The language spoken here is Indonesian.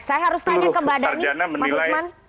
saya harus tanya ke badan ini pak susman